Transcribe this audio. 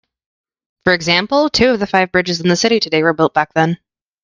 For example, two of the five bridges in the city today were built back then.